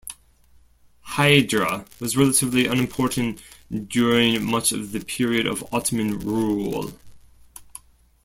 Hydra was relatively unimportant during much of the period of Ottoman rule.